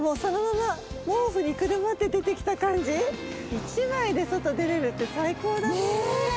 １枚で外に出られるって最高だね。